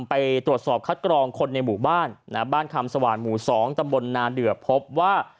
ไปตรวจสอบคัดกรองคนในหมู่บ้านบ้านคำสว่างหมู่๒ตำบลนาเดือพบว่า